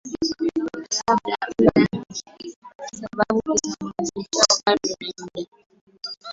Labda ndio sababu kitambulisho chao bado ni mada